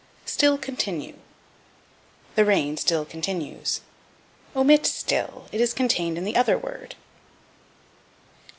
Still Continue. "The rain still continues." Omit still; it is contained in the other word.